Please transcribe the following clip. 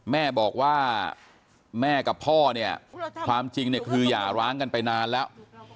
แม่บอกว่าแม่กับพ่อเนี่ยความจริงเนี่ยคือหย่าร้างกันไปนานแล้ว